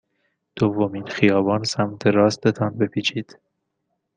دومین خیابان سمت راست تان بپیچید.